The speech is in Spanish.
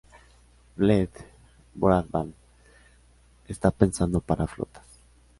Fleet Broadband está pensado para flotas.